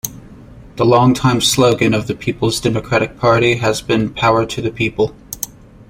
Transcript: The longtime slogan of the People's Democratic Party has been "Power to the people".